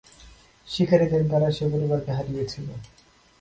শিকারীদের দ্বারা সে পরিবারকে হারিয়েছিল।